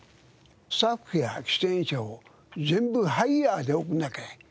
スタッフや出演者を全部ハイヤーで送らなきゃ。